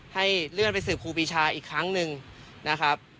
ให้เลื่อนไปสืบครูปีชาอีกครั้งหนึ่งนะครับ